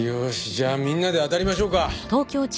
じゃあみんなであたりましょうか。